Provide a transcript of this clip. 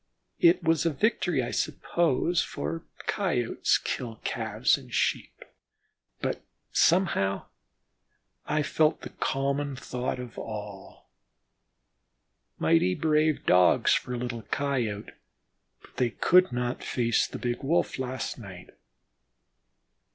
It was a victory, I suppose, for Coyotes kill Calves and Sheep, but somehow I felt the common thought of all: "Mighty brave Dogs for a little Coyote, but they could not face the big Wolf last night."